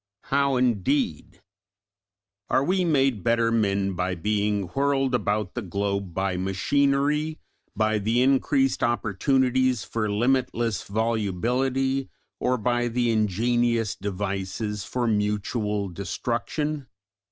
How indeed! Are we made better men by being whirled about the globe by machinery, by the increased opportunities for limitless volubility, or by the ingenious devices for mutual destruction?